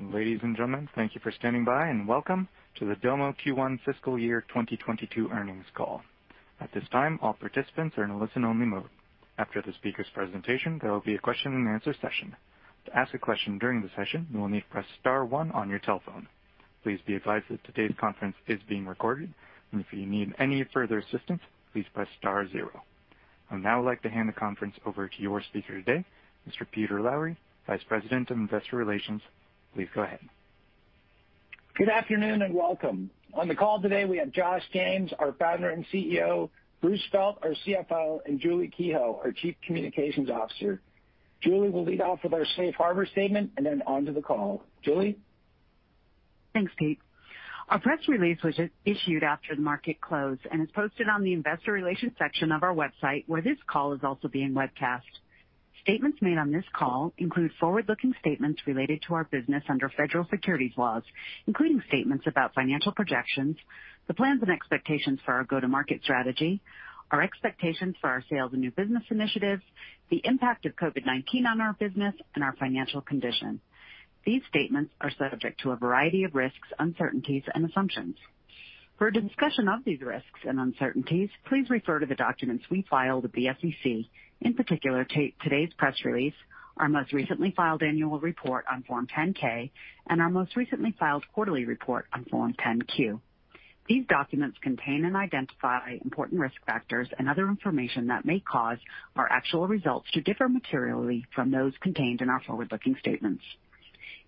Ladies and gentlemen, thank you for standing by and welcome to the Domo Q1 fiscal year 2022 earnings call. At this time, all participants are in listen only mode. After the speaker's presentation, there'll be a question and answer session. To ask a question during the session, you'll need to press star one on your telephone. Please be advised that today's conference is being recorded. If you need any further assistance, please press star zero. I'd now like to hand the conference over to your speaker today, Mr. Peter Lowry, Vice President of Investor Relations. Please go ahead. Good afternoon, and welcome. On the call today, we have Josh James, our Founder and CEO, Bruce Felt, our CFO, and Julie Kehoe, our Chief Communications Officer. Julie will lead off with our safe harbor statement, and then onto the call. Julie? Thanks, Pete. Our press release was issued after the market closed and is posted on the Investor Relations section of our website, where this call is also being webcast. Statements made on this call include forward-looking statements related to our business under federal securities laws, including statements about financial projections, the plans and expectations for our go-to-market strategy, our expectations for our sales and new business initiatives, the impact of COVID-19 on our business, and our financial condition. These statements are subject to a variety of risks, uncertainties, and assumptions. For a discussion of these risks and uncertainties, please refer to the documents we filed with the SEC, in particular today's press release, our most recently filed annual report on Form 10-K, and our most recently filed quarterly report on Form 10-Q. These documents contain and identify important risk factors and other information that may cause our actual results to differ materially from those contained in our forward-looking statements.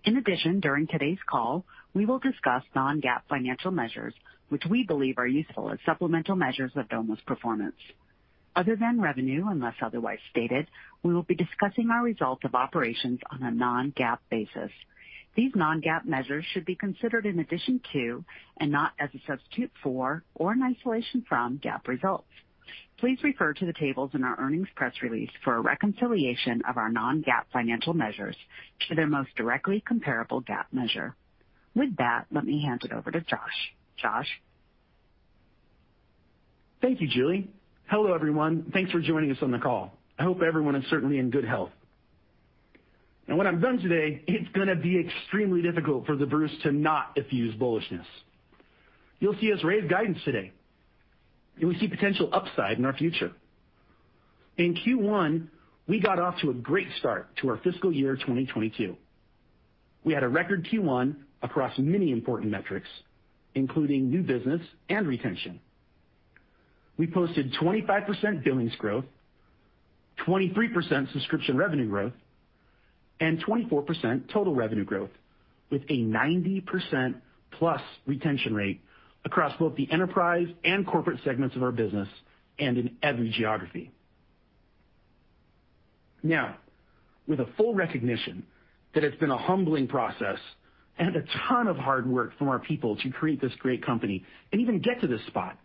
In addition, during today's call, we will discuss non-GAAP financial measures, which we believe are useful as supplemental measures of Domo's performance. Other than revenue, unless otherwise stated, we will be discussing our results of operations on a non-GAAP basis. These non-GAAP measures should be considered in addition to, and not as a substitute for, or in isolation from, GAAP results. Please refer to the tables in our earnings press release for a reconciliation of our non-GAAP financial measures to their most directly comparable GAAP measure. With that, let me hand it over to Josh. Josh? Thank you, Julie. Hello, everyone. Thanks for joining us on the call. I hope everyone is certainly in good health. What I've done today, it's going to be extremely difficult for the Bruce to not effuse bullishness. You'll see us raise guidance today, and we see potential upside in our future. In Q1, we got off to a great start to our fiscal year 2022. We had a record Q1 across many important metrics, including new business and retention. We posted 25% billings growth, 23% subscription revenue growth, and 24% total revenue growth, with a 90%+ retention rate across both the enterprise and corporate segments of our business, and in every geography. With a full recognition that it's been a humbling process and a ton of hard work from our people to create this great company and even get to this spot,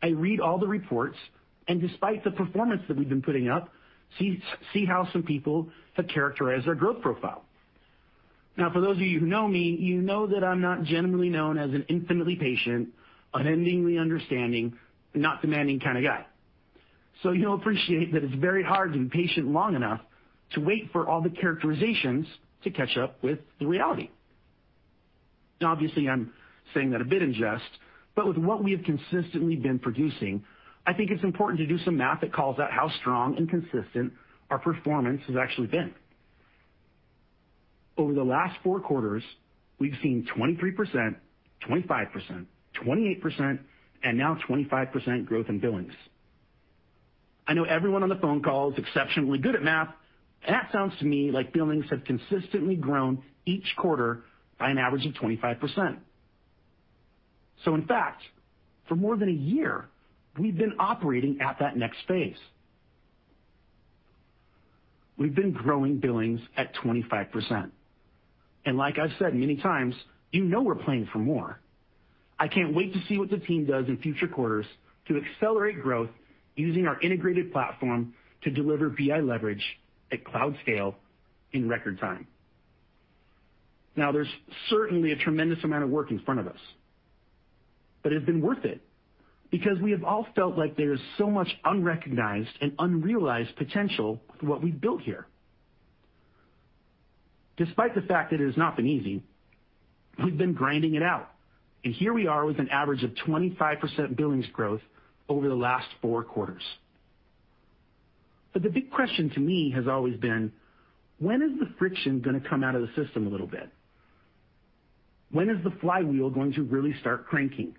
I read all the reports, despite the performance that we've been putting up, see how some people have characterized our growth profile. For those of you who know me, you know that I'm not generally known as an infinitely patient, unendingly understanding, not demanding kind of guy. You'll appreciate that it's very hard to be patient long enough to wait for all the characterizations to catch up with the reality. Obviously, I'm saying that a bit in jest, with what we have consistently been producing, I think it's important to do some math that calls out how strong and consistent our performance has actually been. Over the last four quarters, we've seen 23%, 25%, 28%, and now 25% growth in billings. I know everyone on the phone call is exceptionally good at math. That sounds to me like billings have consistently grown each quarter by an average of 25%. In fact, for more than a year, we've been operating at that next phase. We've been growing billings at 25%. Like I've said many times, you know we're playing for more. I can't wait to see what the team does in future quarters to accelerate growth using our integrated platform to deliver BI leverage at cloud scale in record time. Now, there's certainly a tremendous amount of work in front of us. It's been worth it, because we have all felt like there is so much unrecognized and unrealized potential with what we've built here. Despite the fact that it's not been easy, we've been grinding it out. Here we are with an average of 25% billings growth over the last four quarters. The big question to me has always been, when is the friction going to come out of the system a little bit? When is the flywheel going to really start cranking?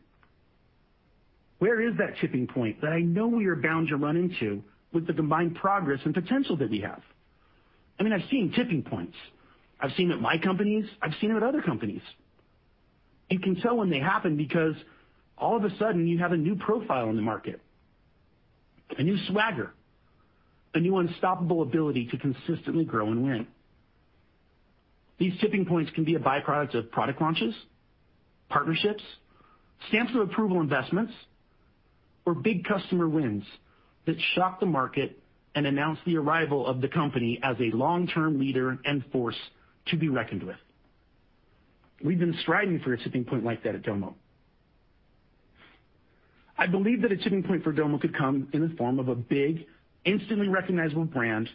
Where is that tipping point that I know we are bound to run into with the combined progress and potential that we have? I've seen tipping points. I've seen it at my companies. I've seen it at other companies. You can tell when they happen because all of a sudden you have a new profile in the market, a new swagger, a new unstoppable ability to consistently grow and win. These tipping points can be a byproduct of product launches, partnerships, stamps of approval investments, or big customer wins that shock the market and announce the arrival of the company as a long-term leader and force to be reckoned with. We've been striding for a tipping point like that at Domo. I believe that a tipping point for Domo could come in the form of a big, instantly recognizable brand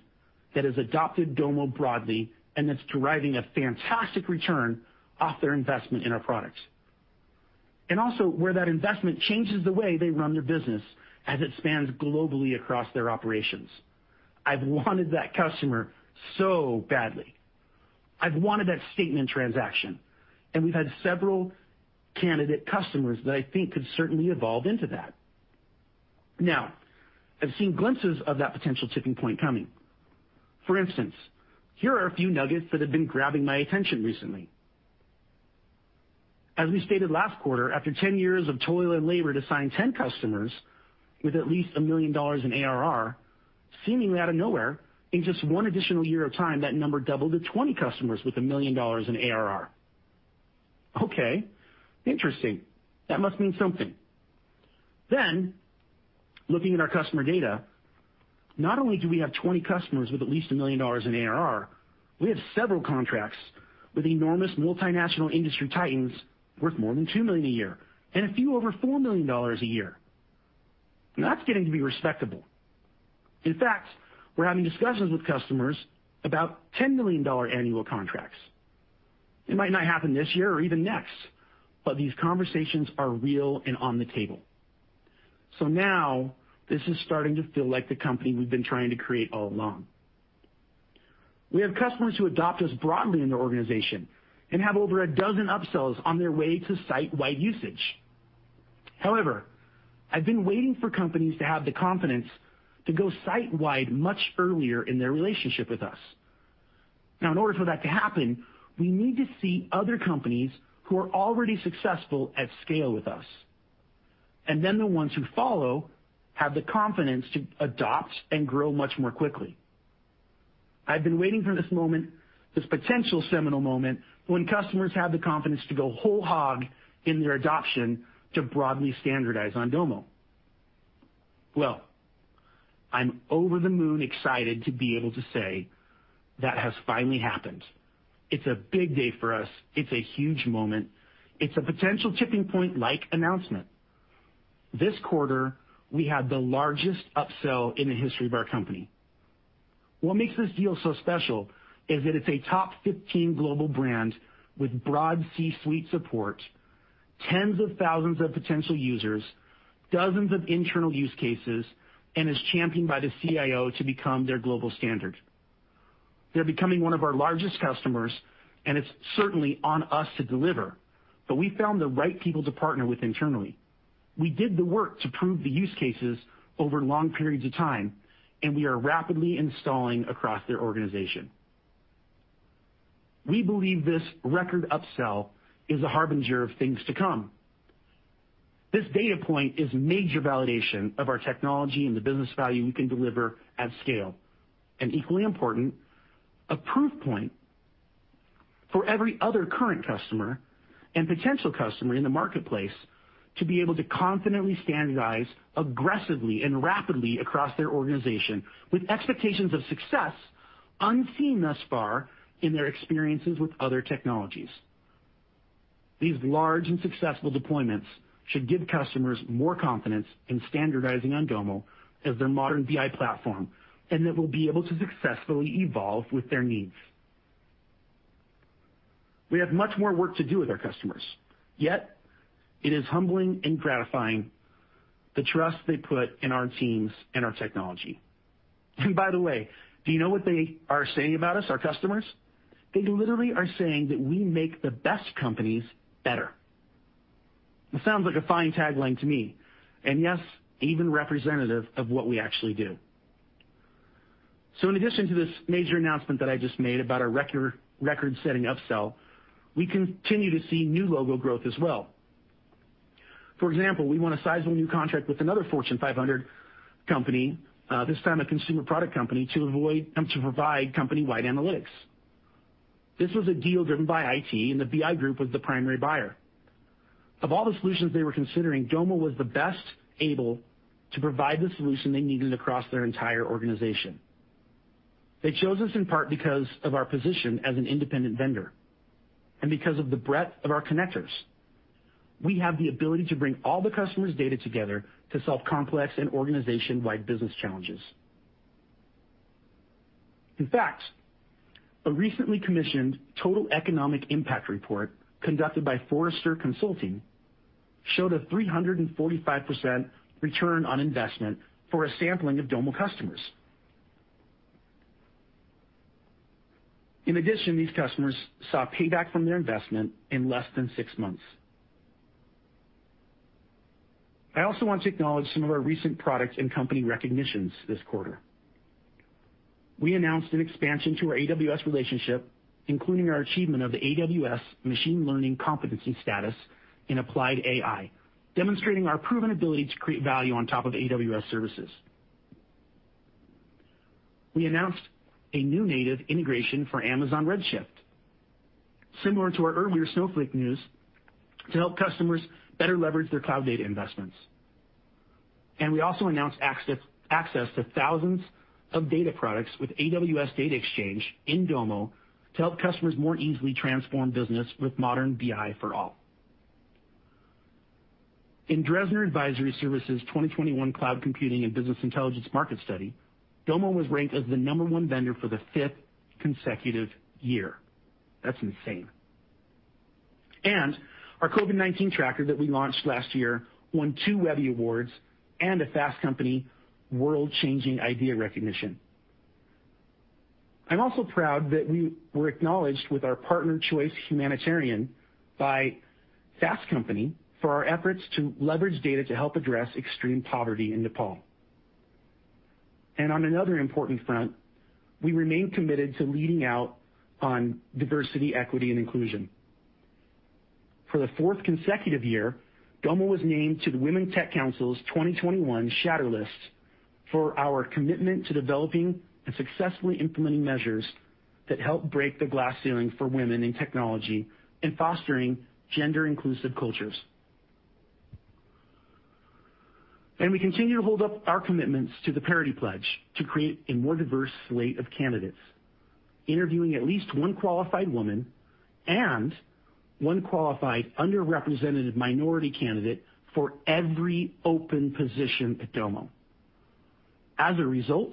that has adopted Domo broadly and is deriving a fantastic return off their investment in our product. Also where that investment changes the way they run their business as it spans globally across their operations. I've wanted that customer so badly. I've wanted that statement transaction, and we've had several candidate customers that I think could certainly evolve into that. Now, I've seen glimpses of that potential tipping point coming. For instance, here are a few nuggets that have been grabbing my attention recently. As we stated last quarter, after 10 years of toil and labor to sign 10 customers with at least $1 million in ARR, seemingly out of nowhere, in just one additional year of time, that number doubled to 20 customers with $1 million in ARR. Okay, interesting. That must mean something. Then, looking at our customer data, not only do we have 20 customers with at least $1 million in ARR, we have several contracts with enormous multinational industry titans worth more than $2 million a year and a few over $4 million a year. That's getting to be respectable. In fact, we're having discussions with customers about $10 million annual contracts. It might not happen this year or even next, but these conversations are real and on the table. Now this is starting to feel like the company we've been trying to create all along. We have customers who adopt us broadly in their organization and have over 12 upsells on their way to site-wide usage. However, I've been waiting for companies to have the confidence to go site-wide much earlier in their relationship with us. Now, in order for that to happen, we need to see other companies who are already successful at scale with us, and then the ones who follow have the confidence to adopt and grow much more quickly. I've been waiting for this moment, this potential seminal moment, when customers have the confidence to go whole hog in their adoption to broadly standardize on Domo. I'm over-the-moon excited to be able to say that has finally happened. It's a big day for us. It's a huge moment. It's a potential tipping point-like announcement. This quarter, we had the largest upsell in the history of our company. What makes this deal so special is that it's a top 15 global brand with broad C-suite support, tens of thousands of potential users, dozens of internal use cases, and is championed by the CIO to become their global standard. They're becoming one of our largest customers, and it's certainly on us to deliver. We found the right people to partner with internally. We did the work to prove the use cases over long periods of time, and we are rapidly installing across their organization. We believe this record upsell is a harbinger of things to come. This data point is major validation of our technology and the business value we can deliver at scale, and equally important, a proof point for every other current customer and potential customer in the marketplace to be able to confidently standardize aggressively and rapidly across their organization with expectations of success unseen thus far in their experiences with other technologies. These large and successful deployments should give customers more confidence in standardizing on Domo as their modern BI platform and that we'll be able to successfully evolve with their needs. We have much more work to do with our customers, yet it is humbling and gratifying, the trust they put in our teams and our technology. By the way, do you know what they are saying about us, our customers? They literally are saying that we make the best companies better. It sounds like a fine tagline to me, and yes, even representative of what we actually do. In addition to this major announcement that I just made about our record-setting upsell, we continue to see new logo growth as well. For example, we won a sizable new contract with another Fortune 500 company, this time a consumer product company, to provide company-wide analytics. This was a deal driven by IT, and the BI group was the primary buyer. Of all the solutions they were considering, Domo was the best able to provide the solution they needed across their entire organization. They chose us in part because of our position as an independent vendor and because of the breadth of our connectors. We have the ability to bring all the customer's data together to solve complex and organization-wide business challenges. In fact, a recently commissioned total economic impact report conducted by Forrester Consulting showed a 345% return on investment for a sampling of Domo customers. In addition, these customers saw payback from their investment in less than six months. I also want to acknowledge some of our recent product and company recognitions this quarter. We announced an expansion to our AWS relationship, including our achievement of the AWS Machine Learning Competency status in applied AI, demonstrating our proven ability to create value on top of AWS services. We announced a new native integration for Amazon Redshift, similar to our earlier Snowflake news, to help customers better leverage their cloud data investments. We also announced access to thousands of data products with AWS Data Exchange in Domo to help customers more easily transform business with modern BI for all. In Dresner Advisory Services' 2021 Cloud Computing and Business Intelligence Market Study, Domo was ranked as the number one vendor for the fifth consecutive year. That's insane. Our COVID-19 tracker that we launched last year won two Webby Awards and a Fast Company World-Changing Idea recognition. I'm also proud that we were acknowledged with our partner, CHOICE Humanitarian by Fast Company for our efforts to leverage data to help address extreme poverty in Nepal. On another important front, we remain committed to leading out on diversity, equity, and inclusion. For the fourth consecutive year, Domo was named to the Women Tech Council's 2021 Shatter List for our commitment to developing and successfully implementing measures that help break the glass ceiling for women in technology and fostering gender-inclusive cultures. We continue to hold up our commitments to the Parity Pledge to create a more diverse slate of candidates, interviewing at least one qualified woman and one qualified underrepresented minority candidate for every open position at Domo. As a result,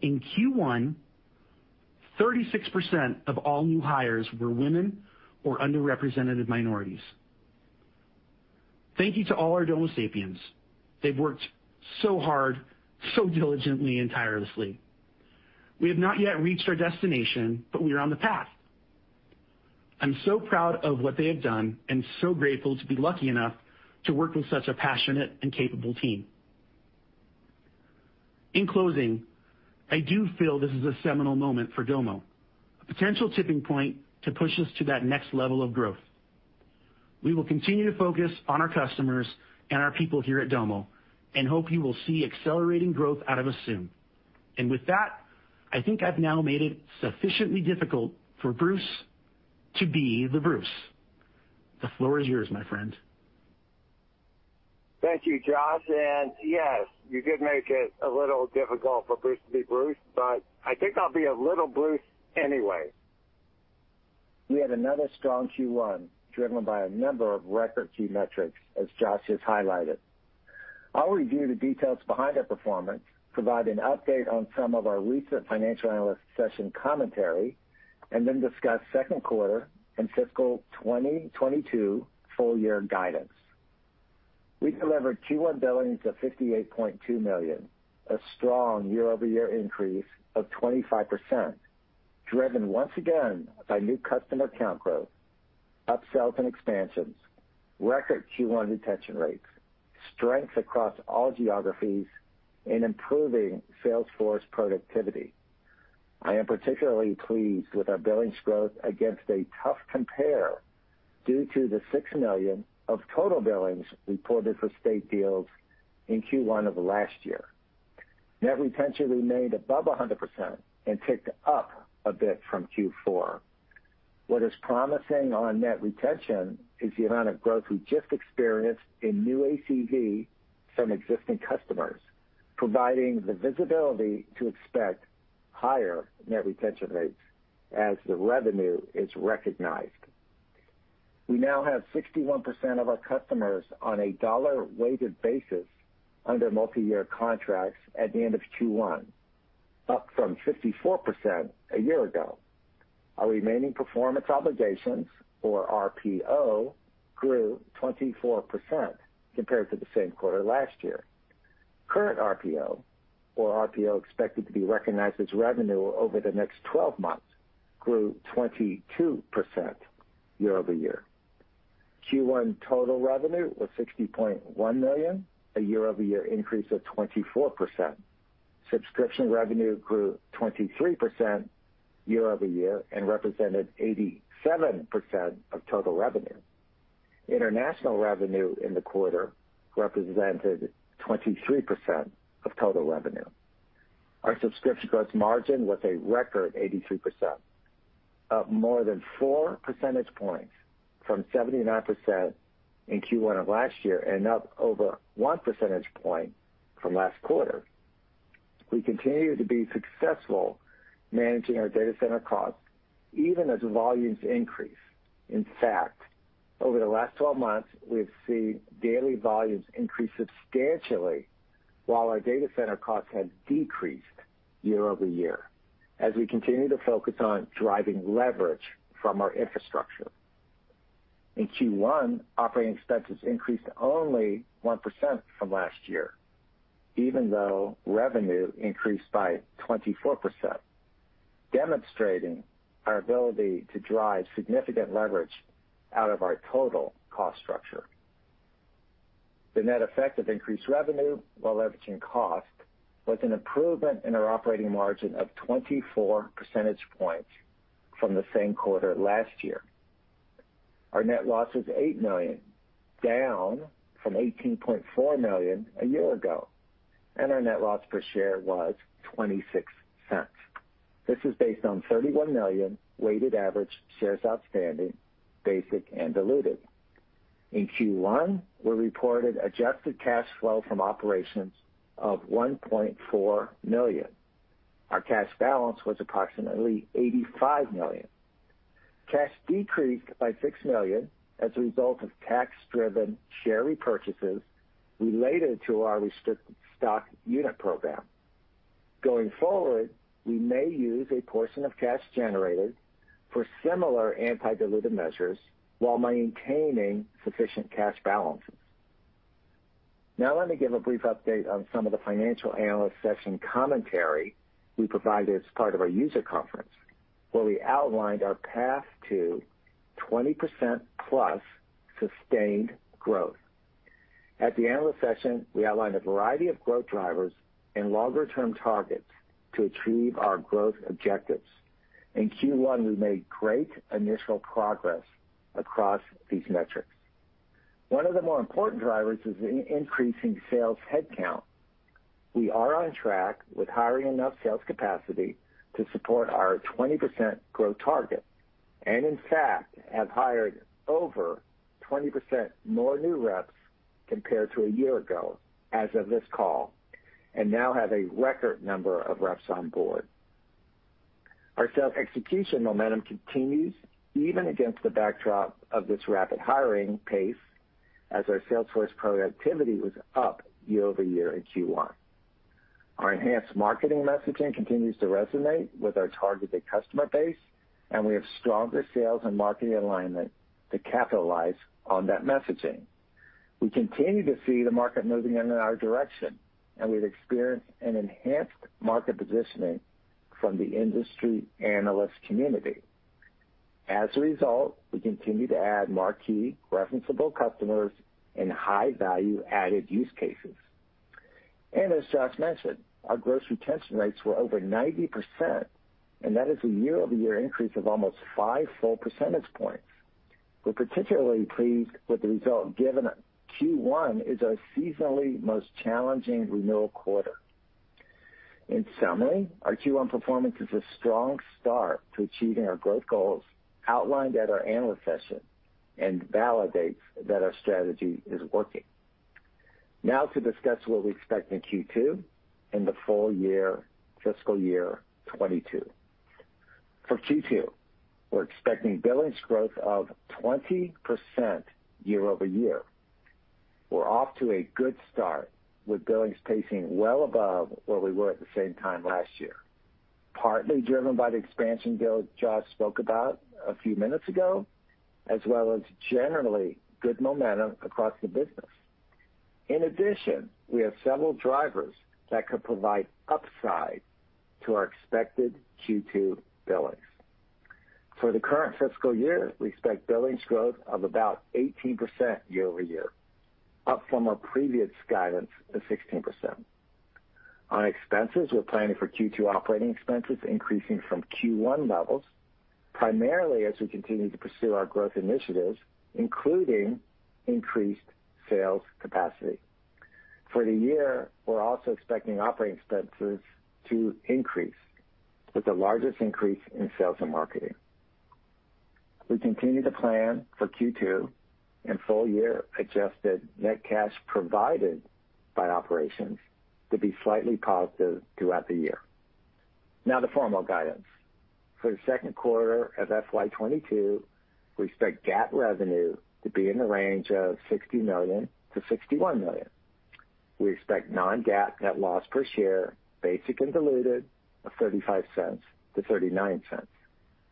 in Q1, 36% of all new hires were women or underrepresented minorities. Thank you to all our Domo Sapiens. They've worked so hard, so diligently, and tirelessly. We have not yet reached our destination, but we are on the path. I'm so proud of what they have done and so grateful to be lucky enough to work with such a passionate and capable team. In closing, I do feel this is a seminal moment for Domo, a potential tipping point to push us to that next level of growth. We will continue to focus on our customers and our people here at Domo and hope you will see accelerating growth out of us soon. With that, I think I've now made it sufficiently difficult for Bruce to be the Bruce. The floor is yours, my friend. Thank you, Josh. Yes, you did make it a little difficult for Bruce to be Bruce, but I think I'll be a little Bruce anyway. We had another strong Q1, driven by a number of record key metrics, as Josh just highlighted. I'll review the details behind that performance, provide an update on some of our recent financial analyst session commentary, and then discuss second quarter and fiscal 2022 full-year guidance. We delivered Q1 billings of $58.2 million, a strong year-over-year increase of 25%, driven once again by new customer count growth, upsells and expansions, record Q1 retention rates, strengths across all geographies, and improving sales force productivity. I am particularly pleased with our billings growth against a tough compare due to the $6 million of total billings we pulled into state deals in Q1 of last year. Net retention remained above 100% and ticked up a bit from Q4. What is promising on net retention is the amount of growth we just experienced in new ACV from existing customers, providing the visibility to expect higher net retention rates as the revenue is recognized. We now have 61% of our customers on a dollar weighted basis under multi-year contracts at the end of Q1, up from 54% a year ago. Our remaining performance obligations, or RPO, grew 24% compared to the same quarter last year. Current RPO, or RPO expected to be recognized as revenue over the next 12 months, grew 22% year-over-year. Q1 total revenue was $60.1 million, a year-over-year increase of 24%. Subscription revenue grew 23% year-over-year and represented 87% of total revenue. International revenue in the quarter represented 23% of total revenue. Our subscription gross margin was a record 82%, up more than 4 percentage points from 79% in Q1 of last year and up over 1 percentage point from last quarter. We continue to be successful managing our data center costs even as volumes increase. In fact, over the last 12 months, we've seen daily volumes increase substantially while our data center costs have decreased year-over-year as we continue to focus on driving leverage from our infrastructure. In Q1, operating expenses increased only 1% from last year, even though revenue increased by 24%, demonstrating our ability to drive significant leverage out of our total cost structure. The net effect of increased revenue while leveraging cost was an improvement in our operating margin of 24 percentage points from the same quarter last year. Our net loss was $8 million, down from $18.4 million a year ago. Our net loss per share was $0.26. This is based on 31 million weighted average shares outstanding, basic and diluted. In Q1, we reported adjusted cash flow from operations of $1.4 million. Our cash balance was approximately $85 million. Cash decreased by $6 million as a result of tax-driven share repurchases related to our restricted stock unit program. Going forward, we may use a portion of cash generated for similar anti-dilutive measures while maintaining sufficient cash balances. Let me give a brief update on some of the financial analyst session commentary we provided as part of our user conference, where we outlined our path to 20%+ sustained growth. At the analyst session, we outlined a variety of growth drivers and longer-term targets to achieve our growth objectives. In Q1, we made great initial progress across these metrics. One of the more important drivers is increasing sales headcount. We are on track with hiring enough sales capacity to support our 20% growth target, and in fact, have hired over 20% more new reps compared to a year ago as of this call, and now have a record number of reps on board. Our sales execution momentum continues even against the backdrop of this rapid hiring pace as our sales force productivity was up year-over-year in Q1. Our enhanced marketing messaging continues to resonate with our targeted customer base, and we have stronger sales and marketing alignment to capitalize on that messaging. We continue to see the market moving in our direction, and we've experienced an enhanced market positioning from the industry analyst community. We continue to add marquee referenceable customers and high-value added use cases. As Josh mentioned, our gross retention rates were over 90%, and that is a year-over-year increase of almost five full percentage points. We're particularly pleased with the result given that Q1 is our seasonally most challenging renewal quarter. Our Q1 performance is a strong start to achieving our growth goals outlined at our analyst session and validates that our strategy is working. To discuss what we expect in Q2 and the full-year FY 2022. We're expecting billings growth of 20% year-over-year. We're off to a good start with billings pacing well above where we were at the same time last year, partly driven by the expansion bill that Josh spoke about a few minutes ago, as well as generally good momentum across the business. In addition, we have several drivers that could provide upside to our expected Q2 billings. For the current fiscal year, we expect billings growth of about 18% year-over-year, up from our previous guidance of 16%. On expenses, we're planning for Q2 operating expenses increasing from Q1 levels, primarily as we continue to pursue our growth initiatives, including increased sales capacity. For the year, we're also expecting operating expenses to increase, with the largest increase in sales and marketing. We continue to plan for Q2 and full-year adjusted net cash provided by operations to be slightly positive throughout the year. Now the formal guidance. For the second quarter of FY 2022, we expect GAAP revenue to be in the range of $60 million-$61 million. We expect non-GAAP net loss per share, basic and diluted, of $0.35-$0.39.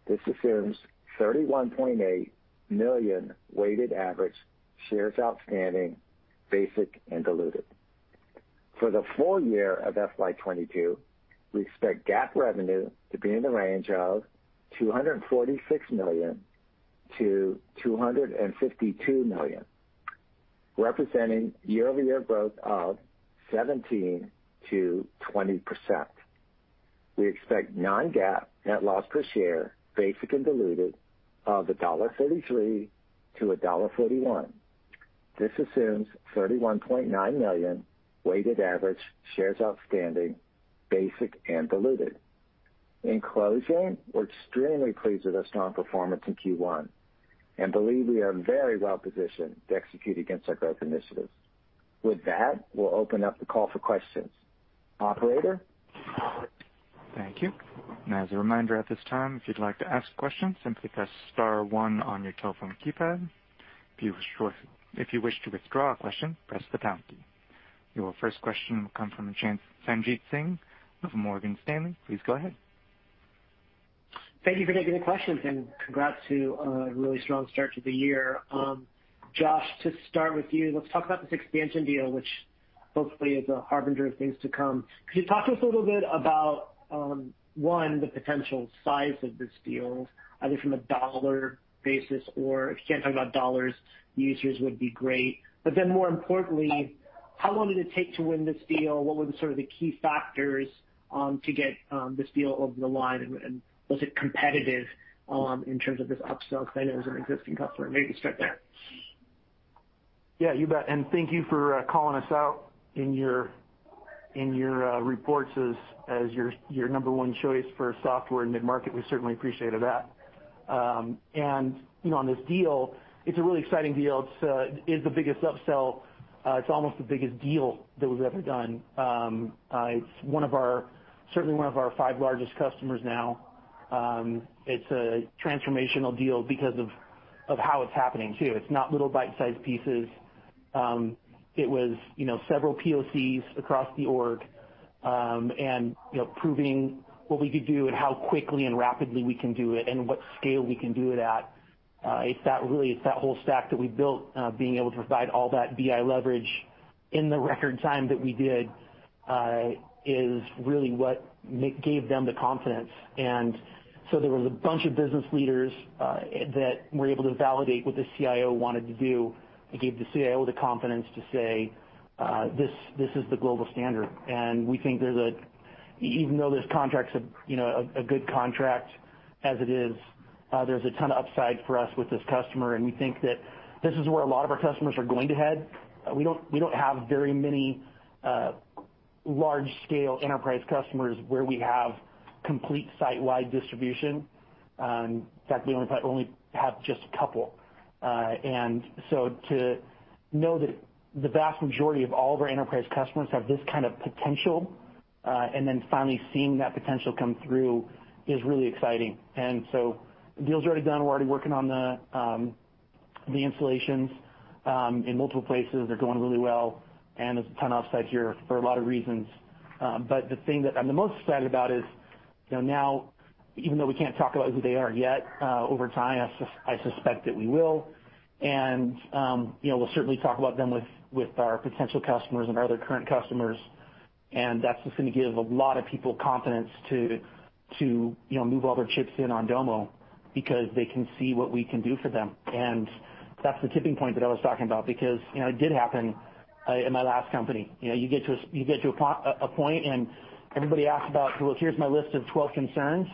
This assumes 31.8 million weighted average shares outstanding, basic and diluted. For the full-year of FY 2022, we expect GAAP revenue to be in the range of $246 million-$252 million, representing year-over-year growth of 17%-20%. We expect non-GAAP net loss per share, basic and diluted, of $1.33-$1.41. This assumes 31.9 million weighted average shares outstanding, basic and diluted. In closing, we're extremely pleased with our strong performance in Q1 and believe we are very well positioned to execute against our growth initiatives. With that, we'll open up the call for questions. Operator? Thank you. As a reminder at this time, if you'd like to ask questions, simply press star one on your telephone keypad. If you wish to withdraw a question, press the pound key. Your first question will come from Sanjit Singh with Morgan Stanley. Please go ahead. Thank you for taking the questions, congrats to a really strong start to the year. Josh, to start with you, let's talk about this expansion deal, which hopefully is a harbinger of things to come. Can you talk to us a little bit about, one, the potential size of this deal, either from a dollar basis or if you can't talk about dollars, the users would be great. More importantly, how long did it take to win this deal? What were the key factors to get this deal over the line? Was it competitive in terms of this upsell because I know there's an existing customer. Maybe start there. Yeah, you bet. Thank you for calling us out in your reports as your number one choice for software in the market. We certainly appreciated that. On this deal, it's a really exciting deal. It's the biggest upsell. It's almost the biggest deal that was ever done. It's certainly one of our five largest customers now. It's a transformational deal because of how it's happening, too. It's not little bite-sized pieces. It was several POCs across the org, and proving what we could do and how quickly and rapidly we can do it and what scale we can do it at. It's that whole stack that we built, being able to provide all that BI leverage in the record time that we did, is really what gave them the confidence. There was a bunch of business leaders that were able to validate what the CIO wanted to do. It gave the CIO the confidence to say, "This is the global standard." We think that even though this contract's a good contract as it is, there's a ton of upside for us with this customer, and we think that this is where a lot of our customers are going to head. We don't have very many large-scale enterprise customers where we have complete site-wide distribution. In fact, we only have just a couple. To know that the vast majority of all of our enterprise customers have this kind of potential, and then finally seeing that potential come through is really exciting. The deal's already done. We're already working on the installations in multiple places. They're going really well, and there's a ton of upside here for a lot of reasons. The thing that I'm the most excited about is, now, even though we can't talk about who they are yet, over time, I suspect that we will. We'll certainly talk about them with our potential customers and our other current customers, and that's just going to give a lot of people confidence to move all their chips in on Domo because they can see what we can do for them. That's the tipping point that I was talking about, because it did happen in my last company. You get to a point. Everybody asks about, "Well, here's my list of 12 concerns."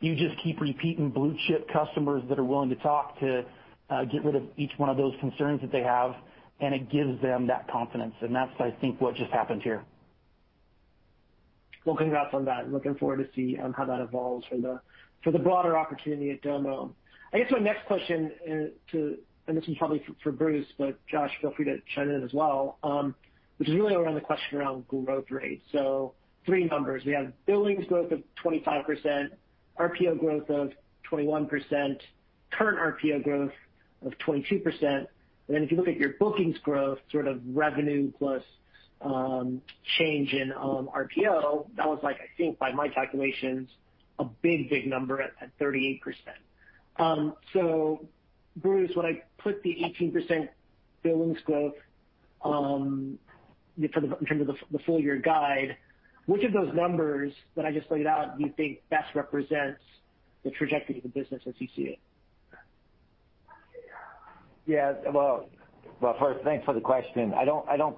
You just keep repeating blue-chip customers that are willing to talk to get rid of each one of those concerns that they have. It gives them that confidence. That's, I think, what just happened here. Well, congrats on that, and looking forward to seeing how that evolves for the broader opportunity at Domo. I guess my next question, and this is probably for Bruce, but Josh, feel free to chime in as well. It's really around the question around growth rate. Three numbers. We have billings growth of 25%, RPO growth of 21%, current RPO growth of 22%, and then if you look at your bookings growth, sort of revenue plus change in RPO, that was, I think, by my calculations, a big, big number at 38%. Bruce, when I put the 18% billings growth in terms of the full-year guide, which of those numbers that I just laid out do you think best represents the trajectory of the business as you see it? Well, first, thanks for the question. I don't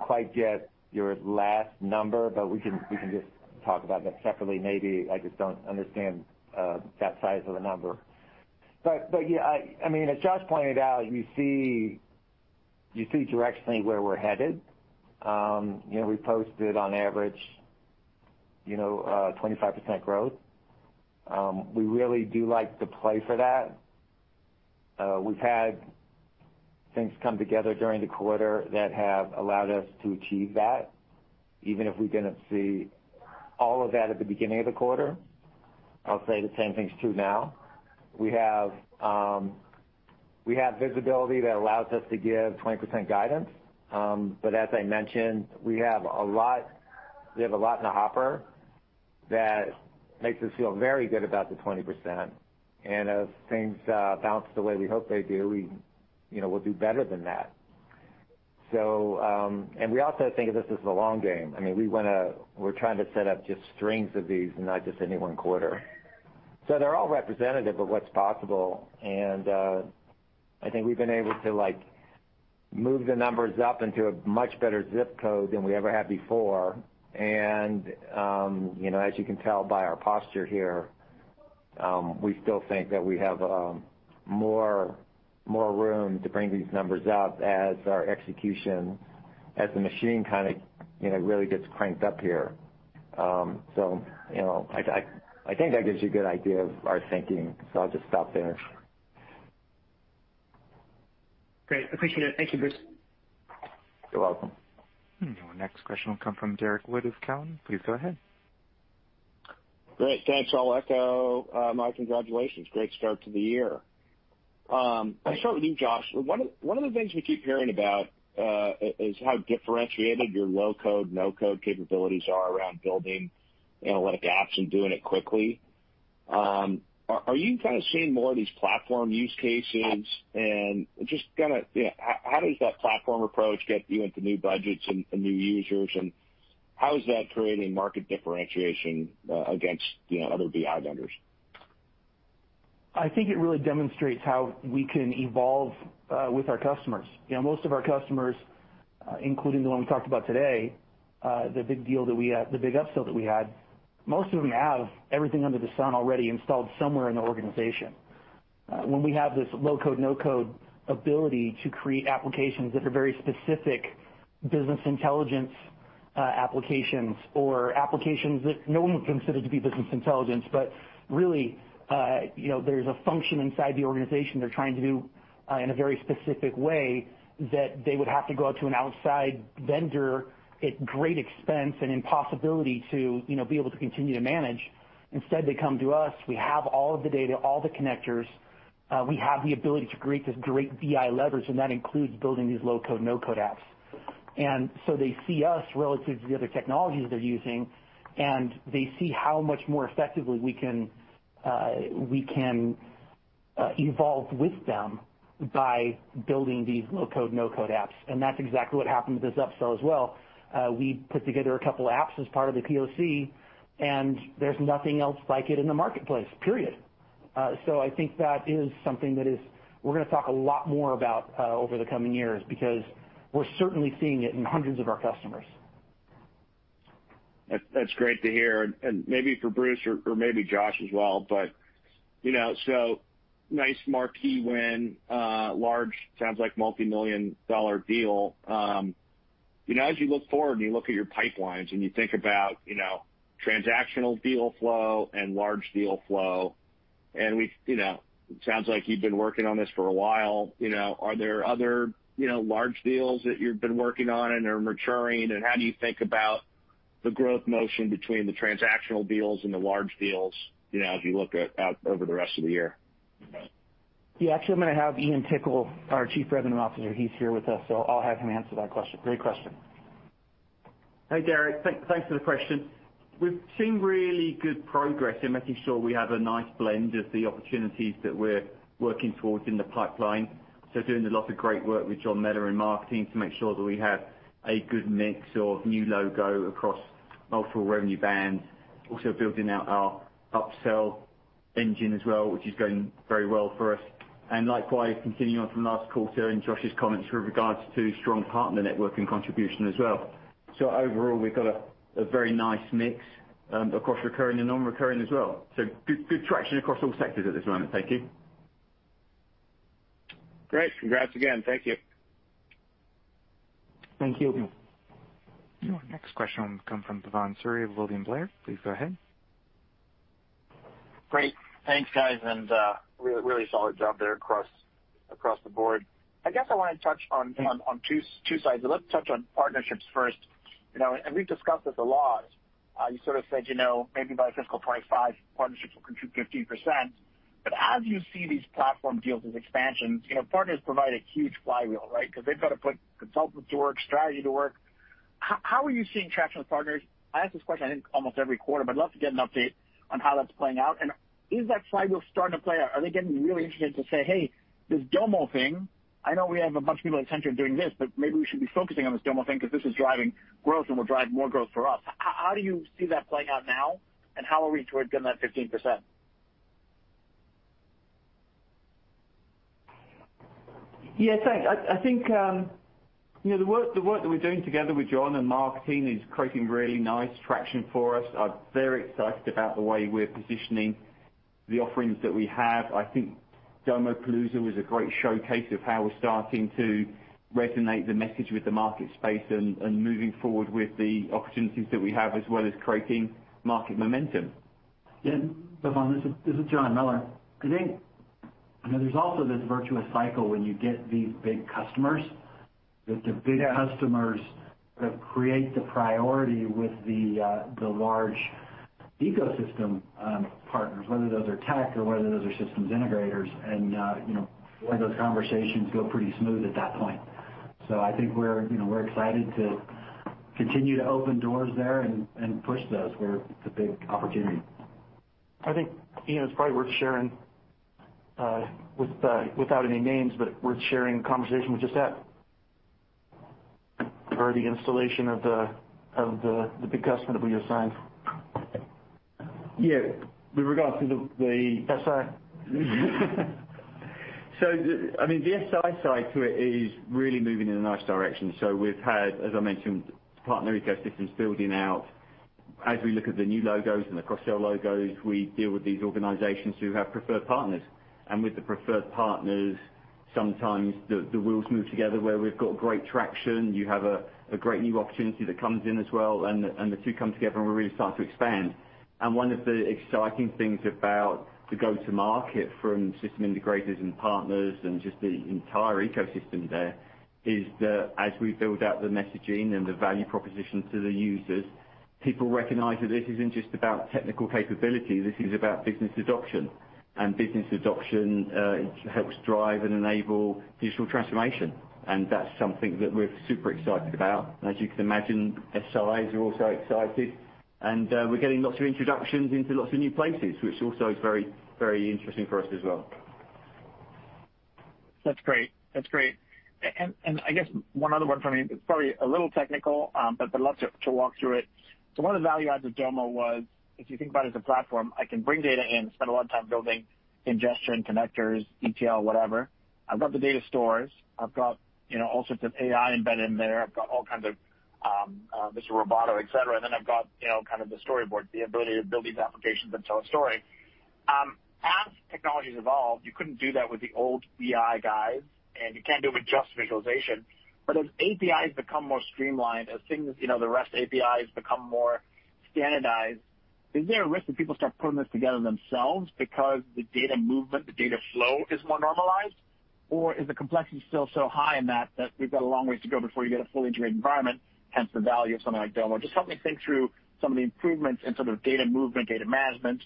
quite get your last number, but we can just talk about that separately maybe. I just don't understand that size of a number. Yeah, as Josh pointed out, you see directionally where we're headed. We posted on average 25% growth. We really do like the play for that. We've had things come together during the quarter that have allowed us to achieve that, even if we didn't see all of that at the beginning of the quarter. I'll say the same thing's true now. We have visibility that allows us to give 20% guidance. But as I mentioned, we have a lot in the hopper that makes us feel very good about the 20%, and as things bounce the way we hope they do, we'll do better than that. We also think of this as the long game. We're trying to set up just strings of these and not just any one quarter. They're all representative of what's possible, and I think we've been able to move the numbers up into a much better ZIP code than we ever had before. As you can tell by our posture here, we still think that we have more room to bring these numbers up as our execution, as the machine kind of really gets cranked up here. I think that gives you a good idea of our thinking. I'll just stop there. Great. Appreciate it. Thank you, Bruce. You're welcome. Our next question will come from Derrick Wood of Cowen. Please go ahead. Great. Thanks. I'll echo my congratulations. Great start to the year. I'll start with you, Josh. One of the things we keep hearing about is how differentiated your low-code, no-code capabilities are around building apps and doing it quickly. Are you kind of seeing more of these platform use cases and just how does that platform approach get you into new budgets and new users, and how is that creating market differentiation against other BI vendors? I think it really demonstrates how we can evolve with our customers. Most of our customers, including the one we talked about today, the big upsell that we had. Most of them have everything under the sun already installed somewhere in the organization. When we have this low-code, no-code ability to create applications that are very specific business intelligence applications or applications that no one considers to be business intelligence, but really there's a function inside the organization they're trying to do in a very specific way that they would have to go out to an outside vendor at great expense and impossibility to be able to continue to manage. They come to us. We have all of the data, all the connectors. We have the ability to create this great BI leverage. That includes building these low-code, no-code apps. They see us relative to the other technologies they're using, and they see how much more effectively we can evolve with them by building these low-code, no-code apps. That's exactly what happened with this upsell as well. We put together a couple apps as part of the POC, and there's nothing else like it in the marketplace, period. I think that is something that we're going to talk a lot more about over the coming years because we're certainly seeing it in hundreds of our customers. That's great to hear. Maybe for Bruce or maybe Josh as well. Nice marquee win. Large, sounds like multimillion-dollar deal. As you look forward and you look at your pipelines and you think about transactional deal flow and large deal flow, and it sounds like you've been working on this for a while. Are there other large deals that you've been working on and are maturing? How do you think about the growth motion between the transactional deals and the large deals as you look out over the rest of the year? Yeah. Actually, I'm going to have Ian Tickle, our Chief Revenue Officer, he's here with us, so I'll have him answer that question. Great question. Hey, Derrick. Thanks for the question. We've seen really good progress in making sure we have a nice blend of the opportunities that we're working towards in the pipeline. Doing a lot of great work with John Miller in marketing to make sure that we have a good mix of new logo across multiple revenue bands. Also building out our upsell engine as well, which is going very well for us. Likewise, continuing on from last call too, and Josh's comments with regards to strong partner network and contribution as well. Overall, we've got a very nice mix across recurring and non-recurring as well. Good traction across all sectors at this moment. Thank you. Great. Congrats again. Thank you. Thank you. Our next question comes from Bhavan Suri of William Blair. Please go ahead. Great. Thanks, guys. Really solid job there across the board. I guess I want to touch on two sides. Let's touch on partnerships first. We've discussed this a lot. You said maybe by FY 2025, partnerships will contribute 15%. As you see these platform deals with expansions, partners provide a huge flywheel, right? Because they've got to put consultants to work, strategy to work. How are you seeing traction with partners? I ask this question, I think almost every quarter, but I'd love to get an update on how that's playing out, and is that flywheel starting to play out? Are they getting really interested to say, "Hey, this Domo thing, I know we have a bunch of people attention doing this, but maybe we should be focusing on this Domo thing because this is driving growth and will drive more growth for us." How do you see that playing out now, and how are we towards getting that 15%? Yeah, thanks. I think the work that we're doing together with John and marketing is creating really nice traction for us. I'm very excited about the way we're positioning the offerings that we have. I think Domopalooza was a great showcase of how we're starting to resonate the message with the market space and moving forward with the opportunities that we have as well as creating market momentum. Yeah. Bhavan, this is John Miller. I think there's also this virtuous cycle when you get these big customers, that the big customers create the priority with the large ecosystem partners, whether those are tech or whether those are systems integrators. All those conversations go pretty smooth at that point. I think we're excited to continue to open doors there and push those where it's a big opportunity. I think, Ian, it's probably worth sharing without any names, but worth sharing the conversation we just had for the installation of the big customer that we just signed. Yeah. With regards to the SI. The SI side to it is really moving in a nice direction. We've had, as I mentioned, partner ecosystems building out. As we look at the new logos and the cross-sell logos, we deal with these organizations who have preferred partners. With the preferred partners, sometimes the wheels move together where we've got great traction, you have a great new opportunity that comes in as well, and the two come together, and we really start to expand. One of the exciting things about the go-to-market from system integrators and partners and just the entire ecosystem there is that as we build out the messaging and the value propositions to the users, people recognize that this isn't just about technical capability, this is about business adoption. Business adoption helps drive and enable digital transformation, and that's something that we're super excited about. As you can imagine, SIs are also excited, and we're getting lots of introductions into lots of new places, which is also very interesting for us as well. That's great. I guess one other one for me, it's probably a little technical, but I'd love to walk through it. One of the value adds of Domo was if you think about it as a platform, I can bring data in, spend a lot of time building ingestion connectors, ETL, whatever. I've got the data stores. I've got all sorts of AI embedded in there. I've got all kinds of Mr. Roboto, et cetera. I've got the storyboard, the ability to build these applications and tell a story. As technology's evolved, you couldn't do that with the old BI guides, and you can't do it with just visualization. As APIs become more streamlined, as things, the REST APIs become more standardized, is there a risk that people start putting this together themselves because the data movement, the data flow is more normalized? Is the complexity still so high in that we've got a long way to go before you get a fully integrated environment, hence the value of something like Domo? Just help me think through some of the improvements in terms of data movement, data management,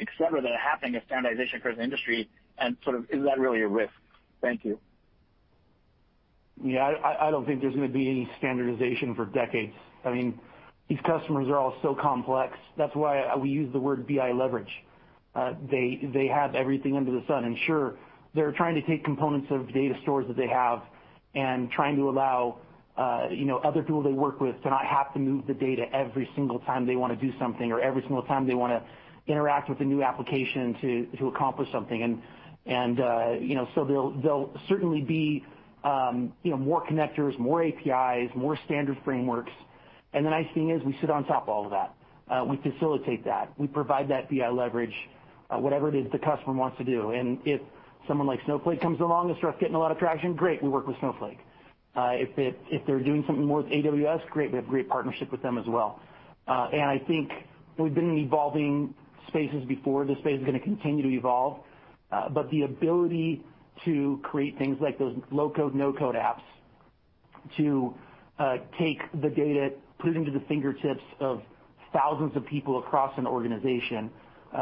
et cetera, that are happening in standardization across the industry, and is that really a risk? Thank you. Yeah, I don't think there's going to be any standardization for decades. These customers are all so complex. That's why we use the word BI leverage. They have everything under the sun. Sure, they're trying to take components of data stores that they have and trying to allow other people they work with to not have to move the data every single time they want to do something or every single time they want to interact with a new application to accomplish something. There'll certainly be more connectors, more APIs, more standard frameworks. The nice thing is we sit on top of all of that. We facilitate that. We provide that BI leverage, whatever it is the customer wants to do. If someone like Snowflake comes along and starts getting a lot of traction, great, we work with Snowflake. If they're doing something more with AWS, great. We have a great partnership with them as well. I think we've been in evolving spaces before. This space is going to continue to evolve. The ability to create things like those low-code, no-code apps to take the data, put it into the fingertips of thousands of people across an organization,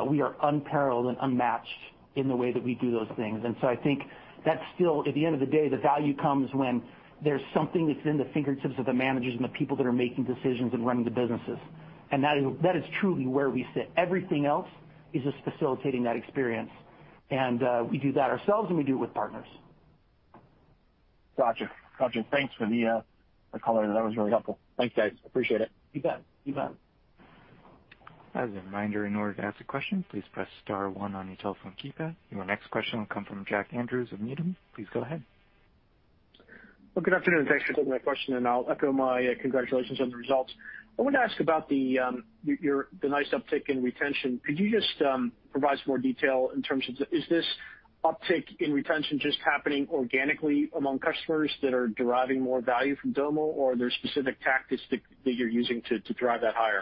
we are unparalleled and unmatched in the way that we do those things. I think that's still, at the end of the day, the value comes when there's something that's in the fingertips of the managers and the people that are making decisions and running the businesses. That is truly where we sit. Everything else is just facilitating that experience. We do that ourselves, and we do it with partners. Got you. Thanks for the color. That was really helpful. Thanks, guys. Appreciate it. You bet. As a reminder, in order to ask a question, please press star one on your telephone keypad. Your next question will come from Jack Andrews of Needham. Please go ahead. Well, good afternoon. Thanks for taking my question, and I'll echo my congratulations on the results. I wanted to ask about the nice uptick in retention. Could you just provide some more detail in terms of, is this uptick in retention just happening organically among customers that are deriving more value from Domo or are there specific tactics that you're using to drive that higher?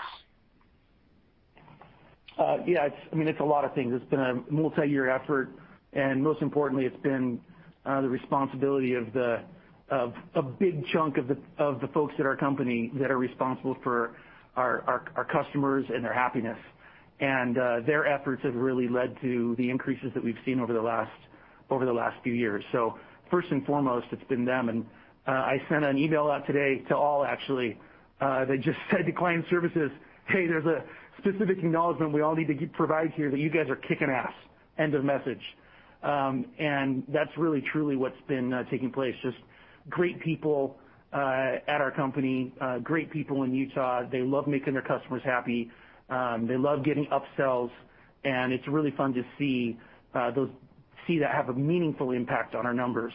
Yeah, it's a lot of things. It's been a multi-year effort, and most importantly, it's been the responsibility of a big chunk of the folks at our company that are responsible for our customers and their happiness. Their efforts have really led to the increases that we've seen over the last few years. First and foremost, it's been them, and I sent an email out today to all actually, that just said to client services, "Hey, there's a specific acknowledgement we all need to provide here that you guys are kicking ass." End of message. That's really truly what's been taking place, just great people at our company, great people in Utah. They love making their customers happy. They love getting upsells, and it's really fun to see that have a meaningful impact on our numbers.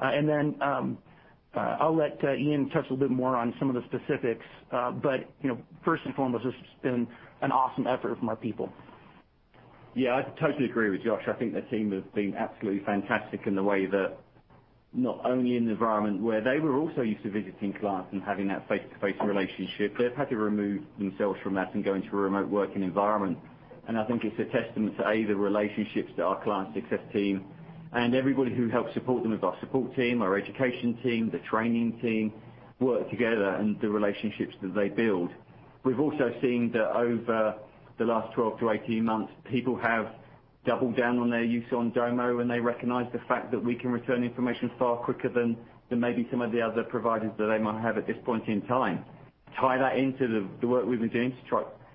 Then, I'll let Ian touch a bit more on some of the specifics. First and foremost, it's just been an awesome effort from our people. Yeah, I totally agree with Josh. I think the team has been absolutely fantastic in the way that not only in an environment where they were also used to visiting clients and having that face-to-face relationship, they've had to remove themselves from that and go into a remote working environment. I think it's a testament to, A, the relationships that our client success team and everybody who helps support them as our support team, our education team, the training team, work together and the relationships that they build. We've also seen that over the last 12-18 months, people have doubled down on their use on Domo, and they recognize the fact that we can return information far quicker than maybe some of the other providers that they might have at this point in time. Tie that into the work that we're doing to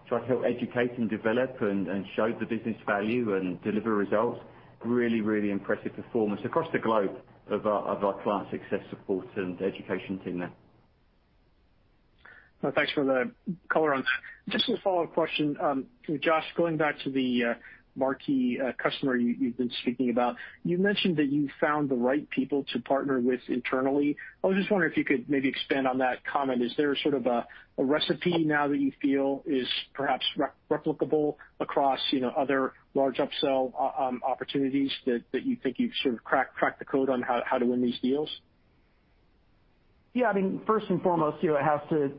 try to help educate and develop and show the business value and deliver results. Really, really impressive performance across the globe of our client success reports and education team there. Well, thanks for the color on that. Just a follow-up question. Josh, going back to the marquee customer you've been speaking about, you mentioned that you found the right people to partner with internally. I was just wondering if you could maybe expand on that comment. Is there sort of a recipe now that you feel is perhaps replicable across other large upsell opportunities that you think you've sort of cracked the code on how to win these deals? Yeah, first and foremost, it has to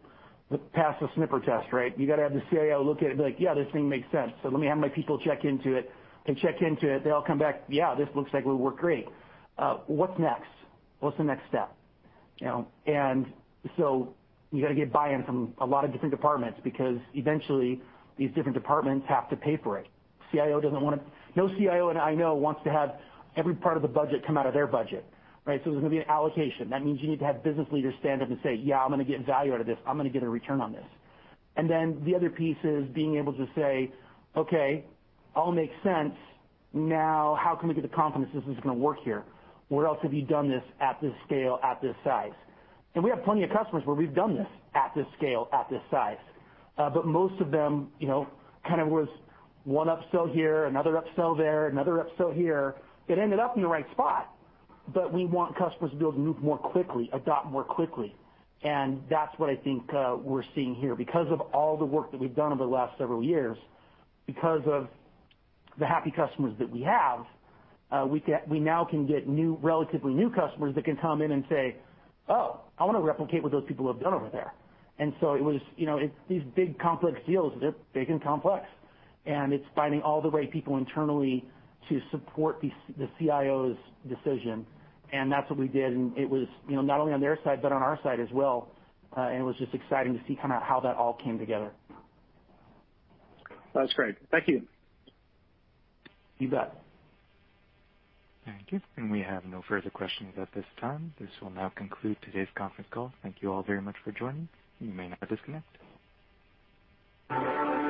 pass the sniff test, right? You got to have the CIO look at it and be like, "Yeah, this thing makes sense." Let me have my people check into it. They check into it. They all come back, "Yeah, this looks like it would work great." What's next? What's the next step? You got to get buy-in from a lot of different departments because eventually these different departments have to pay for it. No CIO that I know wants to have every part of the budget come out of their budget, right? There's going to be allocation. That means you need to have business leaders stand up and say, "Yeah, I'm going to get value out of this. I'm going to get a return on this." The other piece is being able to say, "Okay, all makes sense. Now, how can we get the confidence this is going to work here? Where else have you done this at this scale, at this size?" We have plenty of customers where we've done this at this scale, at this size. Most of them, kind of was one upsell here, another upsell there, another upsell here. It ended up in the right spot. We want customers to be able to move more quickly, adopt more quickly. That's what I think we're seeing here. Because of all the work that we've done over the last several years, because of the happy customers that we have, we now can get relatively new customers that can come in and say, "Oh, I want to replicate what those people have done over there." These big, complex deals, they're big and complex. It's finding all the right people internally to support the CIO's decision. That's what we did. It was not only on their side, but on our side as well. It was just exciting to see kind of how that all came together. That's great. Thank you. You bet. Thank you. We have no further questions at this time. This will now conclude today's conference call. Thank you all very much for joining. You may now disconnect.